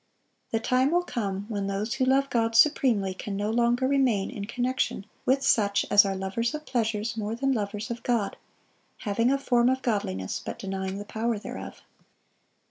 The time will come when those who love God supremely can no longer remain in connection with such as are "lovers of pleasures more than lovers of God; having a form of godliness, but denying the power thereof."